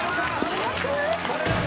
・早くない？